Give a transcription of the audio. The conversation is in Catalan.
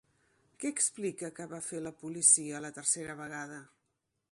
Què explica que va fer la policia la tercera vegada?